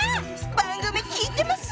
番組聴いてます！